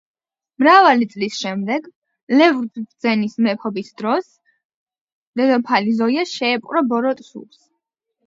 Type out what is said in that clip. მრავალი წლის შემდეგ, ლევ ბრძენის მეფობის დროს, დედოფალი ზოია შეეპყრო ბოროტ სულს.